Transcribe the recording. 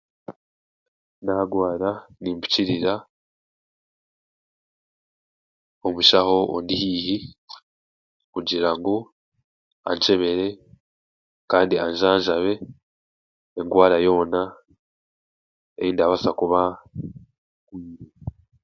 Naagwara nimpikirira omushaho ondi haihi kugira ngu ankyebere kandi anjanjabe engwara yoona ei ndabaasa kubaa